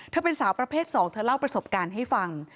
เป็นสาวประเภท๒เธอเล่าประสบการณ์ให้ฟัง